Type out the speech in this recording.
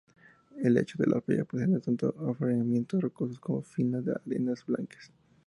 El lecho de la playa presenta tanto afloramientos rocosos como finas arenas blancas.